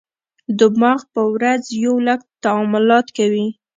دماغ په ورځ یو لک تعاملات کوي.